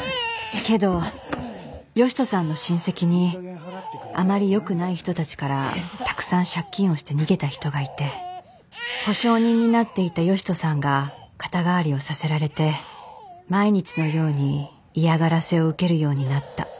けど善人さんの親戚にあまりよくない人たちからたくさん借金をして逃げた人がいて保証人になっていた善人さんが肩代わりをさせられて毎日のように嫌がらせを受けるようになった。